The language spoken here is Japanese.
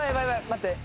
待って。